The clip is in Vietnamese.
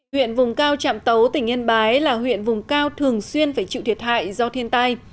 huyện vùng cao trạm tấu tỉnh yên bái là huyện vùng cao thường xuyên phải chịu thiệt hại do thiên tai